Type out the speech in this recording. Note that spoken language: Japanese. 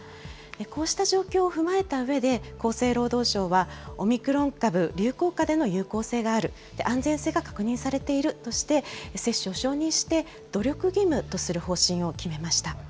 こうした状況を踏まえたうえで、厚生労働省は、オミクロン株流行下での有効性がある、安全性が確認されているとして、接種を承認して、努力義務とする方針を決めました。